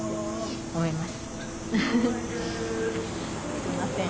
すいません。